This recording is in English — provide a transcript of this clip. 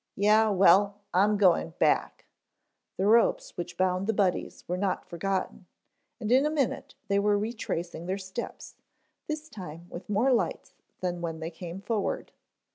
"Yeh, well, I'm going back." The ropes which bound the Buddies were not forgotten, and in a minute they were retracing their steps, this time with more lights than when they came forward.